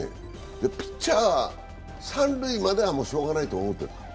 ピッチャー、三塁まではもうしようがないと思ってた？